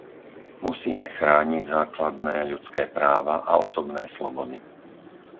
Musíme chrániť základné ľudské práva a osobné slobody.